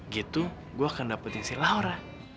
gitu gua akan dapetin si laura